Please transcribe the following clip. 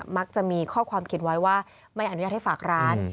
มักจะมีข้อความเขียนไว้ว่าไม่อนุญาตให้ฝากร้าน